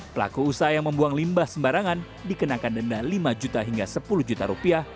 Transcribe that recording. pelaku usaha yang membuang limbah sembarangan dikenakan denda lima juta hingga sepuluh juta rupiah